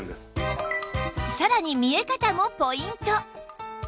さらに見え方もポイント